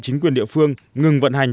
chính quyền địa phương ngừng vận hành